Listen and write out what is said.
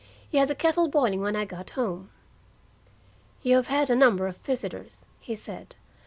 He had the kettle boiling when I got home. "You have had a number of visitors," he said.